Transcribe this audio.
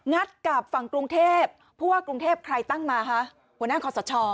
กับฝั่งกรุงเทพผู้ว่ากรุงเทพใครตั้งมาคะหัวหน้าคอสช